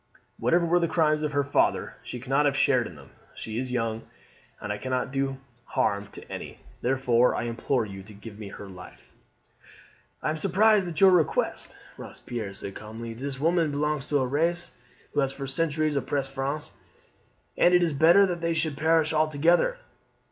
Whatever were the crimes of her father, she cannot have shared in them. She is young, and cannot do harm to any; therefore I implore you to give me her life." "I am surprised at your request," Robespierre said calmly. "This woman belongs to a race who have for centuries oppressed France, and it is better that they should perish altogether.